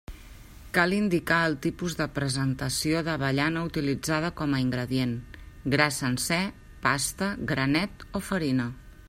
Cal indicar el tipus de presentació d'avellana utilitzada com a ingredient: gra sencer, pasta, granet o farina.